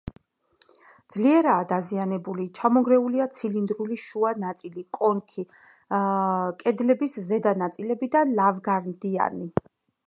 ძლიერაა დაზიანებული; ჩამონგრეულია ცილინდრული შუა ნაწილი, კონქი, კედლების ზედა ნაწილები და ლავგარდანი.